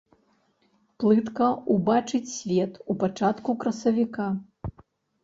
Плытка ўбачыць свет ў пачатку красавіка.